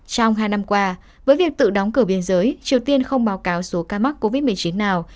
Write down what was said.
trong hai năm qua với việc tự đóng cửa biên giới triều tiên không báo cáo số ca mắc covid một mươi chín nào